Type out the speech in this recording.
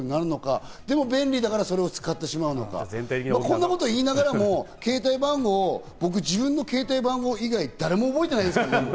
でも便利だから、それを使ってしまうのか、こんなことを言いながらも、携帯番号、僕、自分の携帯番号以外、誰のも覚えてないですからね。